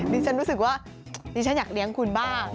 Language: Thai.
ฉันรู้สึกว่าดิฉันอยากเลี้ยงคุณบ้าง